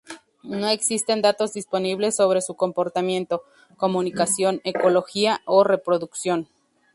No existen datos disponibles sobre su comportamiento, comunicación, ecología, o reproducción.